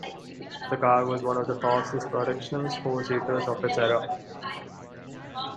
The car was one of the fastest production four-seaters of its era.